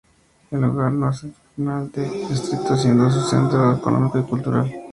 Es el lugar más septentrional del Distrito, siendo su centro económico y cultural.